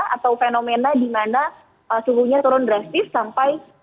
atau fenomena di mana suhunya turun drastis sampai